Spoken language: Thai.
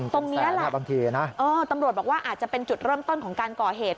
ตรงนี้แหละบางทีนะตำรวจบอกว่าอาจจะเป็นจุดเริ่มต้นของการก่อเหตุ